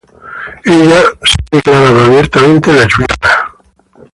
Ella se ha declarado abiertamente lesbiana.